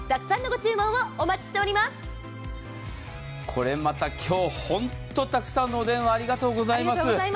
これまた今日、本当にたくさんのお電話ありがとうございます。